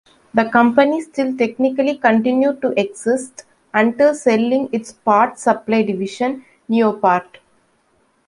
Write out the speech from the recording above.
The company still technically continued to exist until selling its parts-supply division, Neopart.